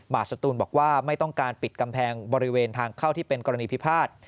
สตูนบอกว่าไม่ต้องการปิดกำแพงบริเวณทางเข้าที่เป็นกรณีพิพาท